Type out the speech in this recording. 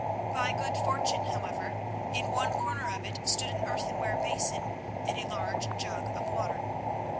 By good fortune, however, in one corner of it stood an earthenware basin and a large jug of water.